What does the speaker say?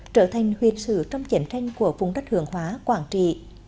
trở thành huyệt sử trong chiến tranh của vùng đất hưởng hóa quảng trị